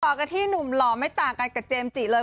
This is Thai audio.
ต่อกันที่หนุ่มหล่อไม่ต่างกันกับเจมส์จิเลย